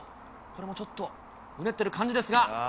これもちょっとうねってる感じですが。